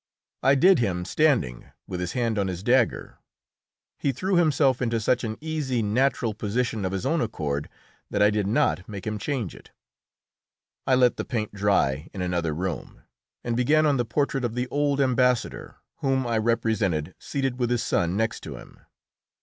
I did him standing, with his hand on his dagger. He threw himself into such an easy, natural position of his own accord that I did not make him change it. I let the paint dry in another room, and began on the portrait of the old ambassador, whom I represented seated with his son next to him.